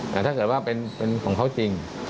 แต่ถ้าเกิดว่าเป็นของเขาจริง